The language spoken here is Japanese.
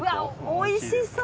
おいしそう！